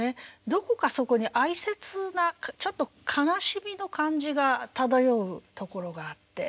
どこかそこに哀切なちょっと悲しみの感じが漂うところがあって。